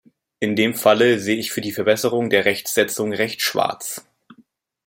In dem Falle sehe ich für die Verbesserung der Rechtsetzung recht schwarz.